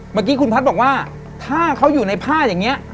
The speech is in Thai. เมื่อกี้คุณพัฒน์บอกว่าถ้าเขาอยู่ในผ้าอย่างนี้